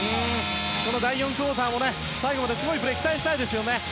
この第４クオーターも最後まですごいプレーを期待したいですよね。